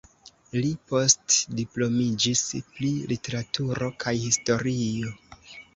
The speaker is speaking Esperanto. Li postdiplomiĝis pri Literaturo kaj Historio.